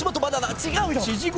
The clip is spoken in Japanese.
違うよ。